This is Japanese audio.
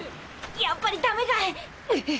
やっぱりダメかっ！